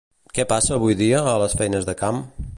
Què passa avui dia a les feines de camp?